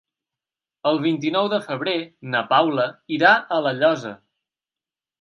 El vint-i-nou de febrer na Paula irà a La Llosa.